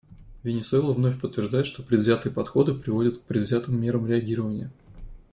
Венесуэла вновь подтверждает, что предвзятые подходы приводят к предвзятым мерам реагирования.